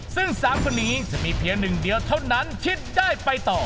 ซึ่ง๓คนนี้จะมีเพียงหนึ่งเดียวเท่านั้นที่ได้ไปต่อ